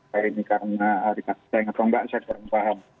hari ini karena hari kata yang ngepombak saya tidak paham